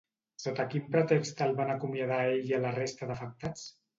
Sota quin pretext el van acomiadar a ell i a la resta d'afectats?